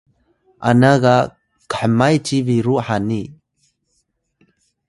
ana ga khmay ci biru hani